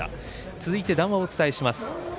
続いて、談話をお伝えします。